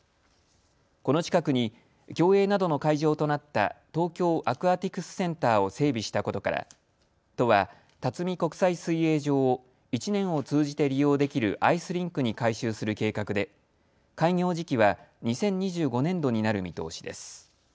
この近くに競泳などの会場となった東京アクアティクスセンターを整備したことから都は辰巳国際水泳場を１年を通じて利用できるアイスリンクに改修する計画で開業時期は２０２５年度になる見通しです。